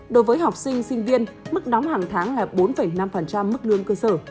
đối với học sinh sinh viên mức đóng hàng tháng là bốn năm mức lương cơ sở